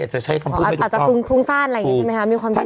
อาจจะฟุ้งซ่านอะไรอย่างนี้ใช่ไหมครับมีความผิด